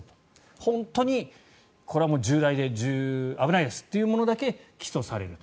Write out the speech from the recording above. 本当にこれは重大で危ないですっていうものだけ起訴されると。